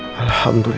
masak masak masak